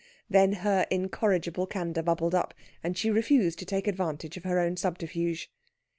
Then her incorrigible candour bubbled up, and she refused to take advantage of her own subterfuge.